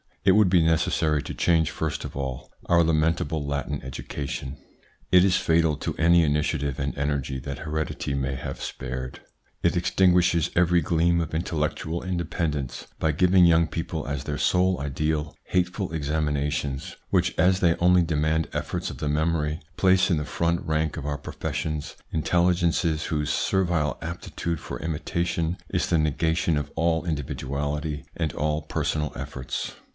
It would be necessary to change first of all our lamentable Latin education. It is fatal to any initiative and energy that heredity may have spared. It extin guishes every gleam of intellectual independence by giving young people as their sole ideal hateful examinations, which, as they only demand efforts of the memory, place in the front rank of our professions intelligences whose servile aptitude for imitation is the negation of all individuality and all personal efforts.